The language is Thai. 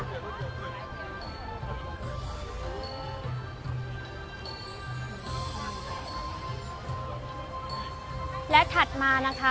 กัดเดียวถัดมานะคะ